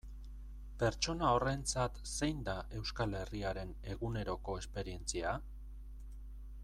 Pertsona horrentzat zein da Euskal Herriaren eguneroko esperientzia?